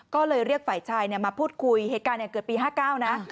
ก็เลยเรียกฝ่ายชายมาพูดคุยเหตุการณ์เกิดปี๕๙นะ